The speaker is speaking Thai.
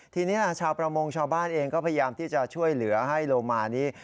ทีนี้ชาวประมงชาวบ้านเองก็พยายามที่จะช่วยเหลือให้โลมานี้